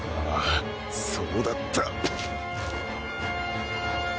ああそうだった。